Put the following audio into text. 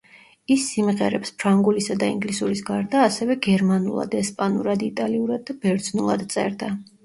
ის სიმღერებს, ფრანგულისა და ინგლისურის გარდა, ასევე გერმანულად, ესპანურად, იტალიურად და ბერძნულად წერდა.